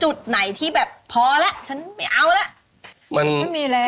จุดไหนที่แบบพอแล้วฉันไม่เอาแล้ว